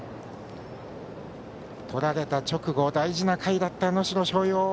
取られた直後大事な回だった能代松陽。